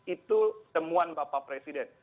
itu temuan bapak presiden